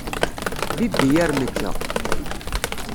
Bibb-iyi ar mekka.